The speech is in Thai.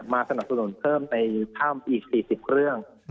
สนับสนุนเพิ่มในถ้ำอีก๔๐เรื่อง